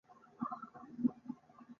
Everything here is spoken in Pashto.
ګاز د افغانستان د اقلیم ځانګړتیا ده.